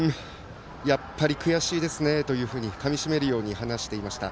やっぱり悔しいですねとかみしめるように話していました。